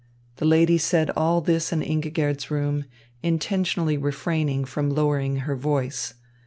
The lady said all this in Ingigerd's room, intentionally refraining from lowering her voice.